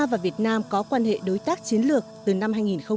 và việt nam có quan hệ đối tác chiến lược từ năm hai nghìn một mươi